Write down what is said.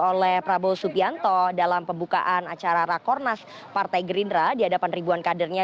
oleh prabowo subianto dalam pembukaan acara rakornas partai gerindra di hadapan ribuan kadernya